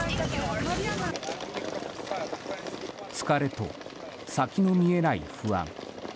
疲れと先の見えない不安。